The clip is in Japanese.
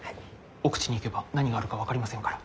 奥地に行けば何があるか分かりませんから。